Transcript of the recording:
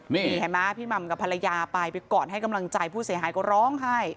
นี่เห็นไหมพี่หม่ำกับภรรยาไปไปกอดให้กำลังใจผู้เสียหายก็ร้องไห้